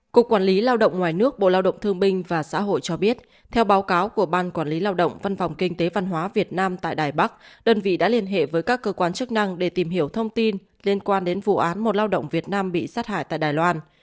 cục quản lý lao động ngoài nước bộ lao động thương binh và xã hội cho biết theo báo cáo của ban quản lý lao động văn phòng kinh tế văn hóa việt nam tại đài bắc đơn vị đã liên hệ với các cơ quan chức năng để tìm hiểu thông tin liên quan đến vụ án một lao động việt nam bị sát hại tại đài loan